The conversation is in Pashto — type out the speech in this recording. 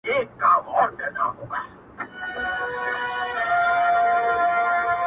هغې وهلی اووه واري په قرآن هم يم’